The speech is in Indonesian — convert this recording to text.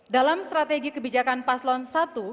dalam strategi kebijakan paslon i